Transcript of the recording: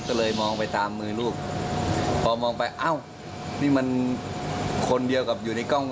ก็เลยมองไปตามมือลูกพอมองไปเอ้านี่มันคนเดียวกับอยู่ในกล้อง